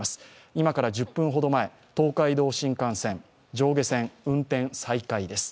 今から１０分ほど前、東海道新幹線、上下線、運転再開です。